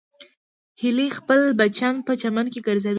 هیلۍ خپل بچیان په چمن کې ګرځوي